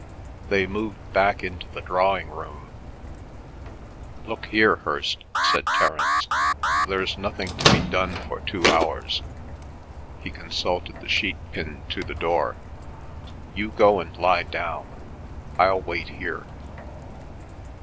They moved back into the drawing room. "Look here, Hirst," said Terence, "there's nothing to be done for two hours." He consulted the sheet pinned to the door. "You go and lie down. I'll wait here.